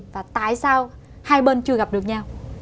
và tại sao hai bên chưa gặp được nhau